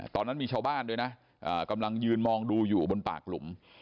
ตอนนั้นมีชาวบ้านด้วยนะกำลังยืนมองดูอยู่บนปากหลุม